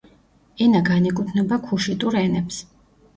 ენა განეკუთვნება ქუშიტურ ენებს.